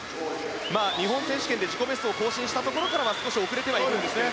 日本選手権で自己ベストを更新したところからは少し遅れてはいます。